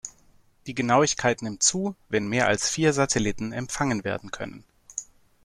Die Genauigkeit nimmt zu, wenn mehr als vier Satelliten empfangen werden können.